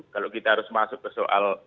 kalau kita harus masuk ke soal